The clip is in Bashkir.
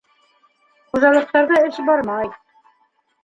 Хужалыҡтарҙа эш бармай.